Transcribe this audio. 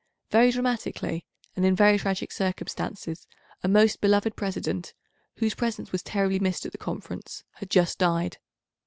Very dramatically, and in very tragic circumstances, a most beloved President, whose presence was terribly missed at the Conference, had just died.